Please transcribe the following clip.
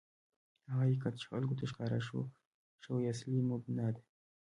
هغه حقیقت چې خلکو ته ښکاره شوی، اصلي مبنا ده.